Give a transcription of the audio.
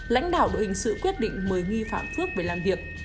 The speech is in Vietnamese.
lãnh đạo đội hình sự quyết định mời nghi phạm phước về làm việc